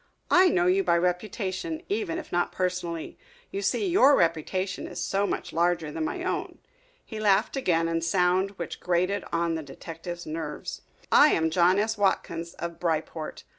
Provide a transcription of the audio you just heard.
"I know you by reputation even if not personally. You see, your reputation is so much larger than my own." He laughed again, a sound which grated on the detective's nerves. "I am John S. Watkins, of Bryport.